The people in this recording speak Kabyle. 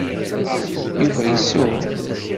Yuba isuɣ.